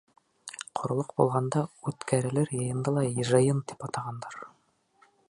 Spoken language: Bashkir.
Ҡоролоҡ булғанда үткәрелер йыйынды ла жыйын тип атағандар.